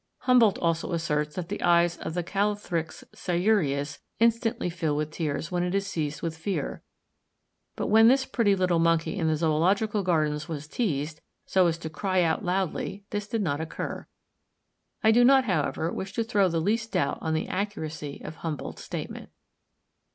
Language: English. Humboldt also asserts that the eyes of the Callithrix sciureus "instantly fill with tears when it is seized with fear;" but when this pretty little monkey in the Zoological Gardens was teased, so as to cry out loudly, this did not occur. I do not, however, wish to throw the least doubt on the accuracy of Humboldt's statement.